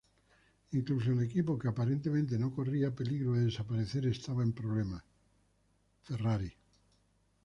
Incluso el equipo que aparentemente no corría peligro de desaparecer estaba en problemas: Ferrari.